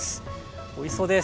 おいしそうです。